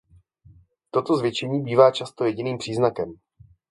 Toto zvětšení bývá často jediným příznakem.